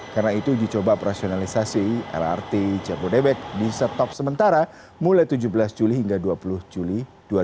karena itu uji coba operasionalisasi lrt jabodebek di setop sementara mulai tujuh belas juli hingga dua puluh juli dua ribu dua puluh tiga